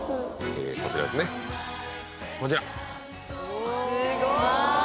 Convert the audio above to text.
こちらですねこちらスゴい！